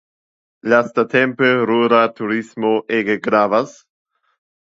Lastatempe rura turismo ege gravas.